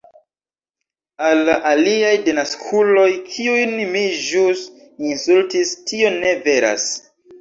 Al la aliaj denaskuloj, kiujn mi ĵus insultis tio ne veras